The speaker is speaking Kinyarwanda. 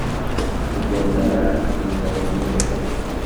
Ugendana inkornere